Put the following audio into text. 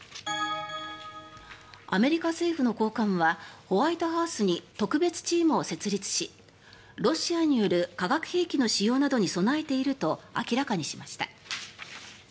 アメリカ政府の高官はホワイトハウスに特別チームを設立しロシアによる化学兵器の使用などに備えていると明らかにしました。